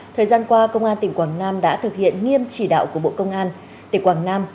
thời gian qua công an tỉnh quảng nam đã thực hiện nghiêm chỉ đạo của bộ công an tỉnh quảng nam